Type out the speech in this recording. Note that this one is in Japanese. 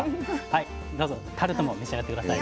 はいどうぞタルトも召し上がって下さい。